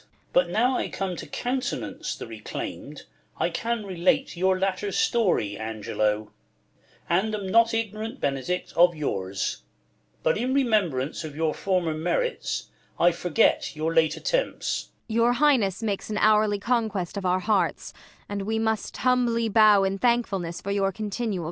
But now I come To count'nance the reclaim'd I can relate Your latter story, Angelo : and am Not ignorant, Benedick, of yours ; but in Remembrance of your former merits I Forget your late attempts.